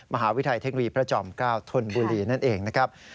มหาวิทยาลัยเทคโนโลยีพระจอม๙ธนบุรีนั่นเองนะครับ